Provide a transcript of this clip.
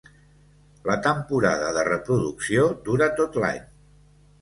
La temporada de reproducció dura tot l'any.